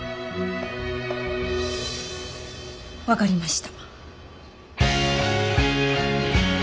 分かりました。